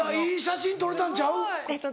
いい写真撮れたんちゃう？